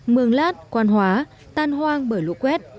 mường lát quan hóa tan hoang bởi lũ quét